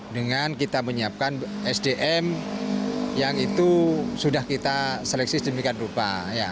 dengan kita menyiapkan sdm yang itu sudah kita seleksi sedemikian rupa